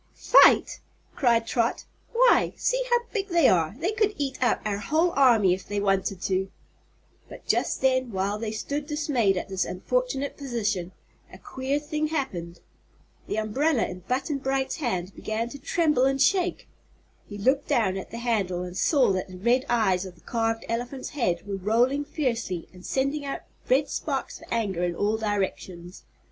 "Fight!" cried Trot; "why, see how big they are. They could eat up our whole army, if they wanted to." But just then, while they stood dismayed at this unfortunate position, a queer thing happened. The umbrella in Button Bright's hand began to tremble and shake. He looked down at the handle and saw that the red eyes of the carved elephant's head were rolling fiercely and sending out red sparks of anger in all directions.